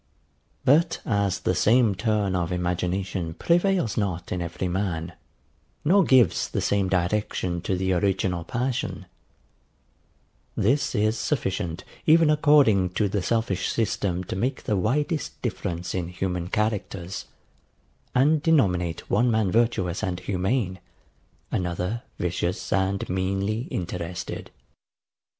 But as the same turn of imagination prevails not in every man, nor gives the same direction to the original passion; this is sufficient even according to the selfish system to make the widest difference in human characters, and denominate one man virtuous and humane, another vicious and meanly interested.